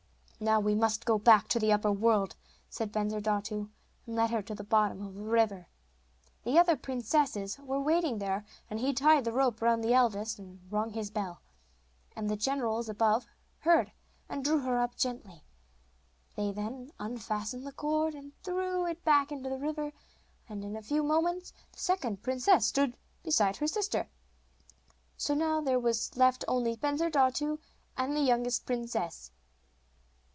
'Now we must go back to the upper world,' said Bensurdatu, and led her to the bottom of the river. The other princesses were waiting there, and he tied the rope round the eldest, and rung his bell. And the generals above heard, and drew her gently up. They then unfastened the cord and threw it back into the river, and in a few moments the second princess stood beside her sister. So now there were left only Bensurdatu and the youngest princess.